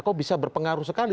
kok bisa berpengaruh sekali